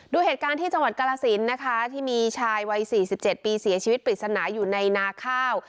ดูเหตุการณ์ที่จังหวัดกรสินนะคะที่มีชายวัย๔๗ปีเสียชีวิตปริศนาอยู่ในนาข้าว